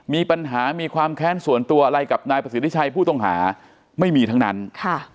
มีปัญหามีความแค้นส่วนตัวอะไรกับนายประสิทธิชัยผู้ต้องหาไม่มีทั้งนั้นค่ะ